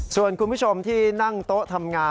ส่วนคุณผู้ชมที่นั่งโต๊ะทำงาน